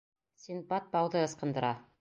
Синдбад бауҙы ыскындыра.